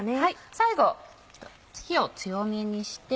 最後火を強めにして。